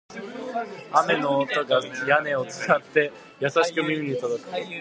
雨の音が屋根を伝って、優しく耳に届く